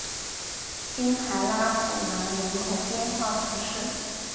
滨海拉普兰人口变化图示